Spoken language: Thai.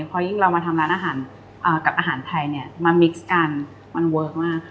เพราะยิ่งเรามาทำร้านอาหารกับอาหารไทยเนี่ยมามิกซ์กันมันเวิร์คมาก